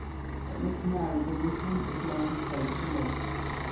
But Miss Mary will repent this the longest day she lives.